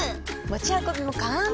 持ち運びも簡単！